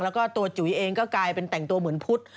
แล้วก็ตัวจุ๋ยเองก็กลายเป็นแต่งตัวเหมือนพุทธ